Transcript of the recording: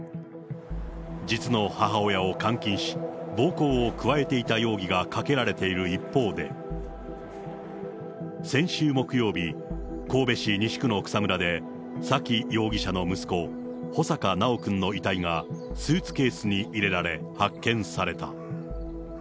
実の母親を監禁し、暴行を加えていた容疑がかけられている一方で、先週木曜日、神戸市西区の草むらで沙喜容疑者の息子、穂坂修くんの遺体がスーツケースに入れられ発見された。